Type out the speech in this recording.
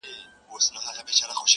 • تا چي نن په مينه راته وكتل؛